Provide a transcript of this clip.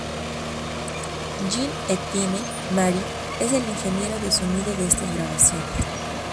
Jean-Etienne Marie es el ingeniero de Sonido de estas grabaciones.